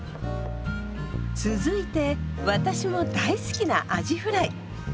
続いて私も大好きなアジフライ。